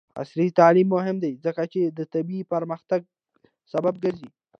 عصري تعلیم مهم دی ځکه چې د طبي پرمختګ سبب ګرځي.